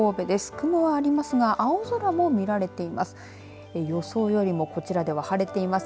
雲はありますが青空も見られています。